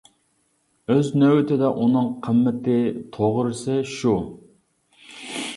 ئۆز نۆۋىتىدە ئۇنىڭ قىممىتى، توغرىسى شۇ!